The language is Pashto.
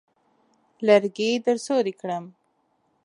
لرګي درسوري کړم.